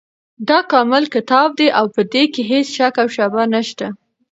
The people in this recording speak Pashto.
دا کامل کتاب دی، په دي کي هيڅ شک او شبهه نشته